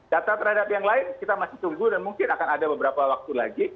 data terhadap yang lain kita masih tunggu dan mungkin akan ada beberapa waktu lagi